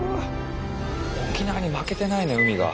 沖縄に負けてないね海が。